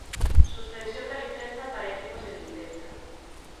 Suspensión da licenza para equipos de limpeza